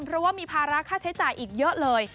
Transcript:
เพราะว่ามีภาระค่าใช้จ่ายอีกเยอะเลย